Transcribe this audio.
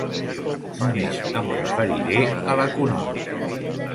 Només em referiré a l’econòmic.